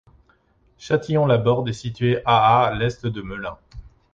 Châtillon-la-Borde est situé à à l'est de Melun.